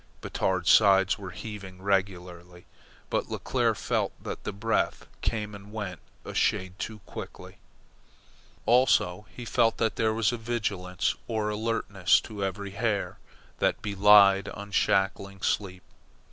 Batard's sides were heaving regularly, but Leclere felt that the breath came and went a shade too quickly; also he felt that there was a vigilance or alertness to every hair that belied unshackling sleep.